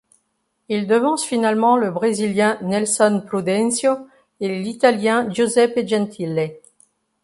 Il devance finalement le Brésilien Nelson Prudencio et l'Italien Giuseppe Gentile.